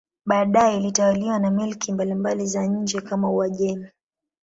Baadaye ilitawaliwa na milki mbalimbali za nje kama Uajemi.